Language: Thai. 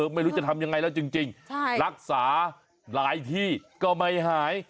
ไม่รู้จะทำยังไงแล้วจริงรักษาหลายที่ก็ไม่หาย